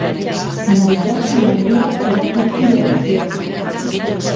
Maitasun handia erakutsi ohi zioten.